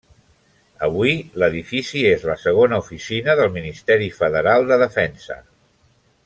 Avui, l'edifici és la segona oficina del Ministeri Federal de Defensa.